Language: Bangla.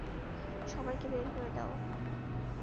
সবাইকে বের করে দাও!